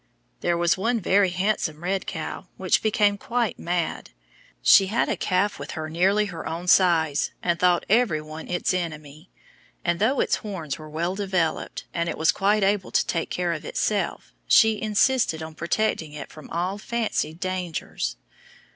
There was one very handsome red cow which became quite mad. She had a calf with her nearly her own size, and thought every one its enemy, and though its horns were well developed, and it was quite able to take care of itself, she insisted on protecting it from all fancied dangers.